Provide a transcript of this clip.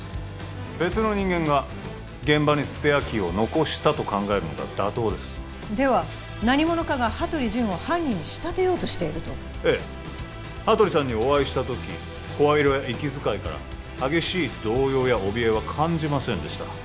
別の人間が現場にスペアキーを残したと考えるのが妥当ですでは何者かが羽鳥潤を犯人に仕立てようとしているとええ羽鳥さんにお会いした時声色や息づかいから激しい動揺やおびえは感じませんでした